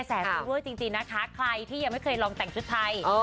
พี่เวอร์จริงนะคะใครที่ยังไม่เคยลองแต่งชุดไทย